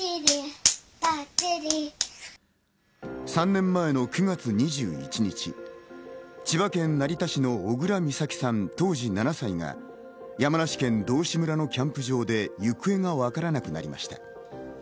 ３年前の９月２１日、千葉県成田市の小倉美咲さん、当時７歳が山梨県道志村のキャンプ場で行方がわからなくなりました。